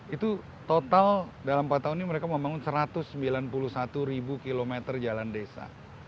itu total dalam empat tahun ini mereka membangun satu ratus sembilan puluh satu km jalan desa